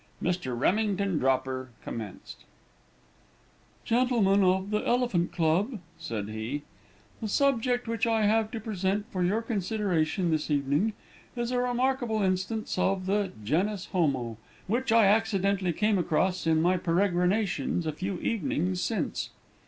Mr. Remington Dropper commenced: "Gentlemen of the Elephant Club," said he, "the subject which I have to present for your consideration this evening is a remarkable instance of the genus homo which I accidentally came across in my peregrinations a few evenings since.